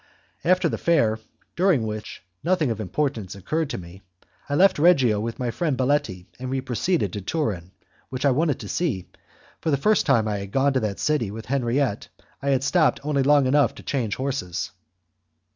After the fair, during which nothing of importance occurred to me, I left Reggio with my friend Baletti and we proceeded to Turin, which I wanted to see, for the first time I had gone to that city with Henriette I had stopped only long enough to change horses.